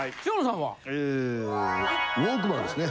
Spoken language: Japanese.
えウォークマンですね。